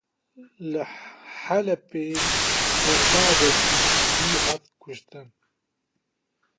Li Helebê serbazekî Sûrî hat kuştin.